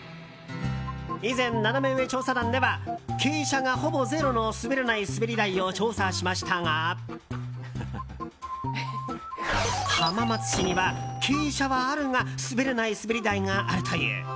以前、ナナメ上調査団では傾斜がほぼゼロの滑り台を調査しましたが浜松市には、傾斜はあるが滑れない滑り台があるという。